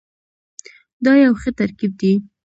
دا یو ښه ترکیب دی.